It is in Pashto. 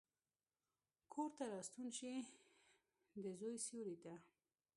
کورته راستون شي، دزوی سیورې ته،